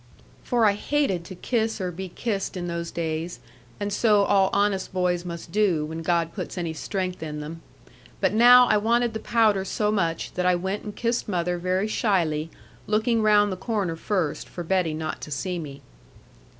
For I hated to kiss or be kissed in those days: and so all honest boys must do, when God puts any strength in them. But now I wanted the powder so much that I went and kissed mother very shyly, looking round the corner first, for Betty not to see me.